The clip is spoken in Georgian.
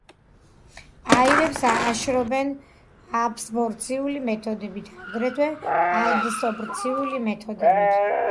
აირებს აშრობენ აბსორბციული მეთოდებით, აგრეთვე ადსორბციული მეთოდებით.